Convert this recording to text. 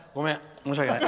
申し訳ない。